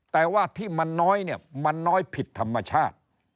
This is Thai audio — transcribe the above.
แต่ว่าที่มันน้อยเนี่ยมันน้อยผิดธรรมชาติ